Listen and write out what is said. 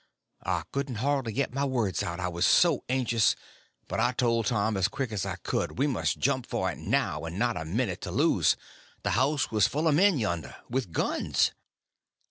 I couldn't hardly get my words out, I was so anxious; but I told Tom as quick as I could we must jump for it now, and not a minute to lose—the house full of men, yonder, with guns!